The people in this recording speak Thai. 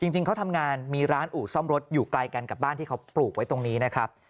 จริงเขาทำงานมีร้านอู่ซ่อมรถอยู่ไกลกันกับบ้านที่เขาปลูกไว้ตรงนี้นะครับ